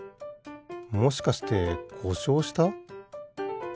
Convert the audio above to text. もしかしてこしょうした？